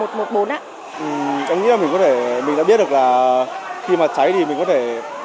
tôi nghĩ là mình đã biết được là khi mà cháy thì mình có thể